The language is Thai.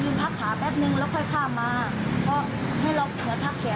ตรงนั้นทำไมมึงไม่สามารถมาเติมฝั่งนี้